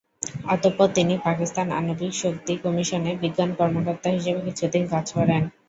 অতঃপর তিনি পাকিস্তান আণবিক শক্তি কমিশনে বিজ্ঞান কর্মকর্তা হিসেবে কিছুদিন কাজ করেন।